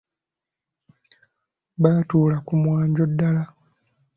Baatuula ku mwanjo ddala.